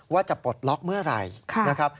ว่าจะปลดล็อกเมื่อไหร่นะครับ